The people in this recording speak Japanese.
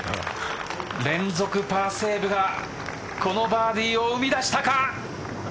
連続パーセーブがこのバーディーを生み出したか。